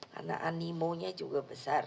karena animonya juga besar